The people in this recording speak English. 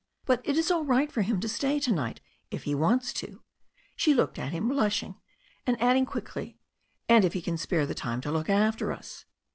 But it is all right for him to stay to night if he wants to—" she looked at him, blushing, and adding quickly — "and if he can spare the time to look after us."